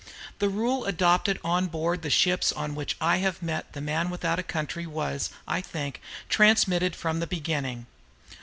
The rule adopted on board the ships on which I have met "the man without a country" was, I think, transmitted from the beginning.